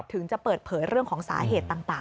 ถึงจะเปิดเผยเรื่องของสาเหตุต่าง